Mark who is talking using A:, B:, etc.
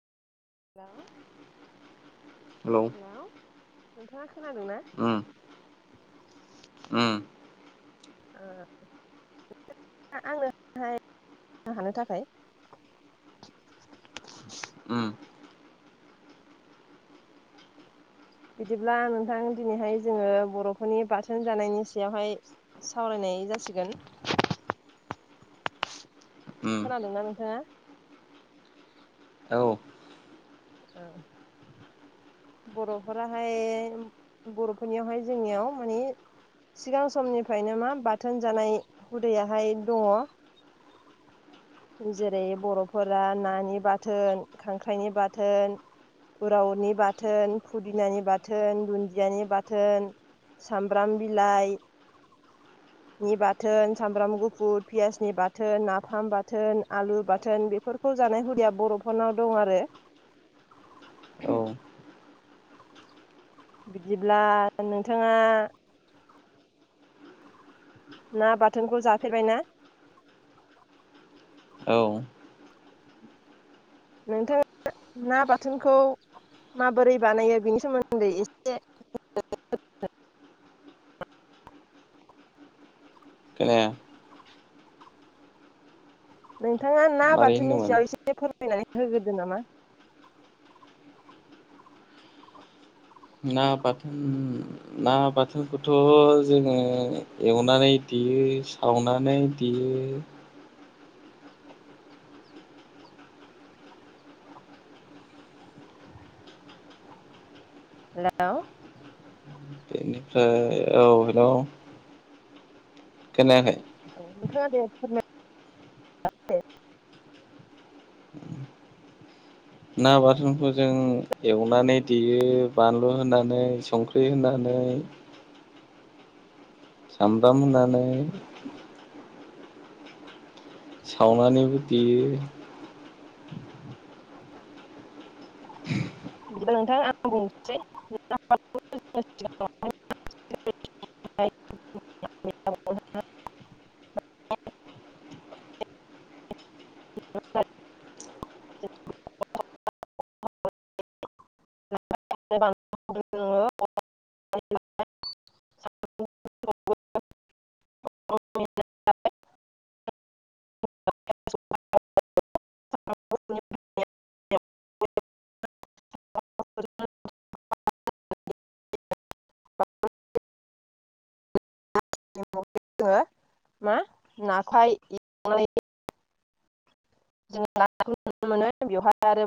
A: Hello.
B: Hello
A: नोंथांङा खोनादों ना?
B: उम उम
A: अ आंनोहाय हानो थाखाय
B: उम
A: बिदिब्ला नोंथां दिनैहाय जोङो बर'फोरनि बाथोन जानायनि सायावहाय। सावरायनाय जासिगोन
B: उम
A: खोनादों ना नोंथाङा।
B: औ
A: औ। बर'फोराहाय बर'फोरनियावहाय जोंनियाव मानि सिगां समनिफ्रायनो मा बाथोन जानाय हुदयाहाय दङ। जेरै बर'फोरा नानि बाथोन खांख्राइनि बाथोन। उरावनि बाथोन फुदिनानि बाथोन दुन्दियानि बाथोन सामब्राम बिलाइ नि बाथोन सामब्राम गुफुर पियासनि बाथोन नाथाम बाथोन। बाथोन आलु बाथोन बेफोरखौ जानाय हिया बर'फोरनाव दं आरो।
B: औ।
A: बिदिब्ला नोंथाङा। ना बाथोनखौ जाफेरबाय ना।
B: औ
A: नोंथाङा ना बाथोनखौ माबोरै बानायो बेनि सोमोन्दै ए सेे
B: खोनाया
A: नोंथाङा ना
B: मारै
A: बाथोननि
B: होनदोंमोन
A: सायाव एसे फोरमायनानै होग्रोदो नामा?
B: ना बा ना बाथोनखौथ' जोङो एवनानै देयो। आवनानै देयो।
A: हेल'।
B: बेनिफ्राय औ बेन खोनायाखै
A: औ न [unintelligible] थाङा दे फोर
B: ना बाथोनखौ जों एवनानै देयो बानलु होनानै संख्रि होनानै स [inaudible] सावनानैबो देयो।
A: बि नोंथां आं बुंनोसै। जोङो ङो [unintelligible] [unintelligible] हो हो जोङो मा नाखाय एनाय जों नुनो मोनो बेवहाय आरो